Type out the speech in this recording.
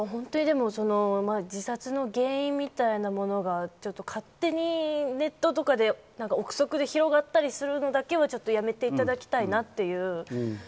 自殺の原因みたいなものが勝手にネットとかで臆測で広がるのはやめていただきたいなという。